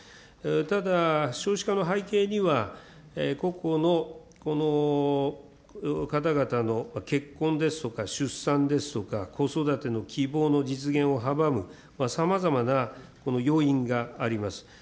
ただ、少子化の背景には、個々の方々の結婚ですとか、出産ですとか、子育ての希望の実現を阻むさまざまな要因があります。